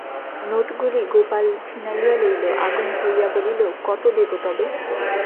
নোটগুলি গোপাল ছিনাইয়া লইল, আগুন হইয়া বলিল, কত দেব তবে?